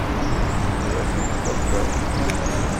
Iwacu tettaḍsaḍ?